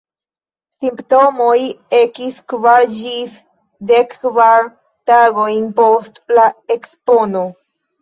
Simptomoj ekis kvar ĝis dekkvar tagojn post la ekspono.